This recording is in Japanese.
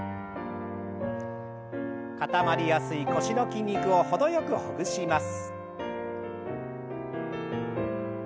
固まりやすい腰の筋肉を程よくほぐします。